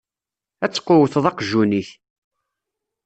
Ad tqewwteḍ aqjun-ik.